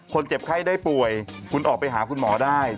เจ็บไข้ได้ป่วยคุณออกไปหาคุณหมอได้